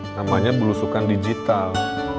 namanya belusukan digital